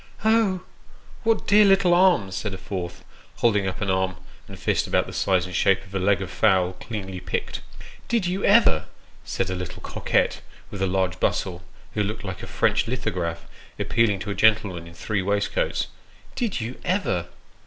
" Oh ! what dear little arms !" said a fourth, holding up an arm and fist about the size and shape of the leg of a fowl cleanly picked. "Did you ever?" said a little coquette with a large bustle, who looked like a French lithograph, appealing to a gentleman in three waistcoats " Did you ever